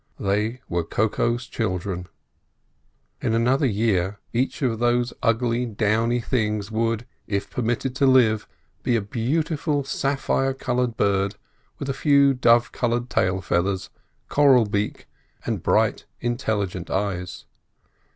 They were Koko's children. In another year each of those ugly downy things would, if permitted to live, be a beautiful sapphire coloured bird with a few dove coloured tail feathers, coral beak, and bright, intelligent eyes.